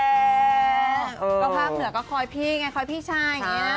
ก็ภาคเหนือก็คอยพี่ไงคอยพี่ชายอย่างนี้นะ